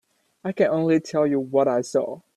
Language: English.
I can only tell you what I saw.